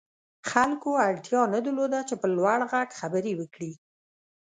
خلکو اړتيا نه درلوده چې په لوړ غږ خبرې وکړي.